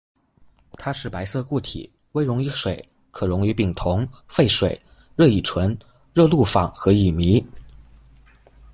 它是白色固体，微溶于水，可溶于丙酮、沸水、热乙醇、热氯仿和乙醚。